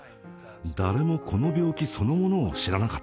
誰もこの病気そのものを知らなかったのです。